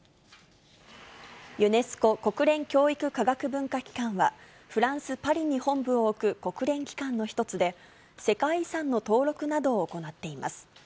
ユネスコ・国連教育科学文化機関は、フランス・パリに本部を置く国連機関の１つで、世界遺産の登録などを行っています。